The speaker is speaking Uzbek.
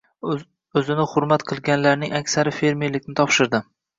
— o‘zini hurmat qilganlarning aksari fermerlikni topshirdi.